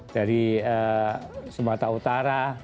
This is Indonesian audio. dari semata utara